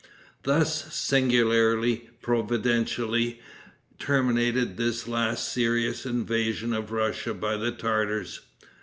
Thus, singularly, providentially, terminated this last serious invasion of Russia by the Tartars.